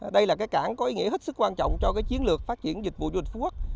đây là cái cảng có ý nghĩa hết sức quan trọng cho cái chiến lược phát triển dịch vụ du lịch phú quốc